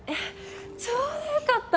ちょうどよかった。